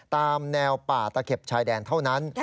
ตามแนวป่าตะเข็บชายแดนเท่านั้น